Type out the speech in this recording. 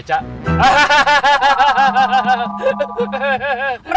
kita pake beca